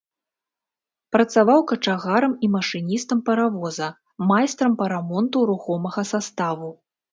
Працаваў качагарам і машыністам паравоза, майстрам па рамонту рухомага саставу.